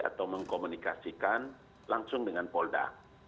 atau mengkomunikasikan langsung dengan polda